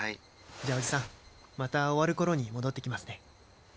じゃあおじさんまた終わる頃に戻ってきますね。